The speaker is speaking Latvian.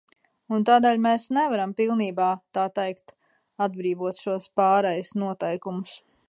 Un tādēļ mēs nevaram pilnībā, tā teikt, atbrīvot šos pārejas noteikumus.